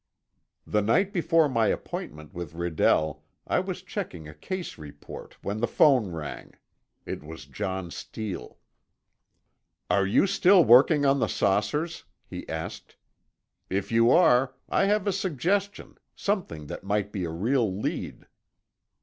The night before my appointment with Redell, I was checking a case report when the phone rang. It was John Steele. "Are you still working on the saucers?" he asked. "If you are, I have a suggestion—something that might be a real lead."